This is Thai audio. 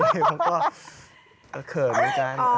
ผมก็เขินไว้กัน